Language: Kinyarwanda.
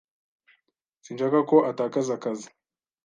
Sinshaka ko atakaza akazi.